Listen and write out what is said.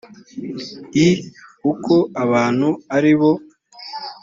l kuko abantu atari bo